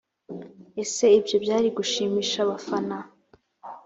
ese ibyo byari gushimisha abafana